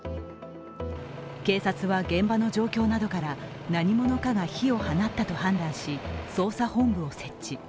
警察は現場の状況などから何者かが火を放ったと判断し捜査本部を設置。